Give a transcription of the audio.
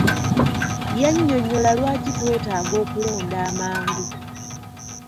Yannyonnyola lwaki twetaaga okulonda amangu.